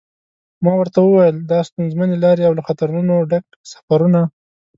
ما ورته و ویل دا ستونزمنې لارې او له خطرونو ډک سفرونه.